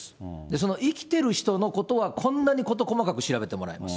その生きている人のことはこんなに事細かく調べてもらえます。